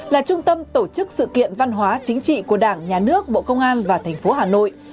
là trung tâm tổ chức sự kiện văn hóa chính trị của đảng nhà nước bộ công an và thành phố hà nội